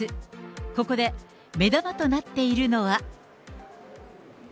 ここで目玉となっているのは。